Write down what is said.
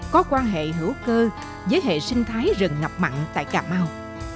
có quan hệ hữu cơ với hệ sinh thái rừng ngập mặn tại cà mau